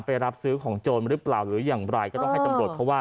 รับซื้อของโจรหรือเปล่าหรืออย่างไรก็ต้องให้ตำรวจเขาว่า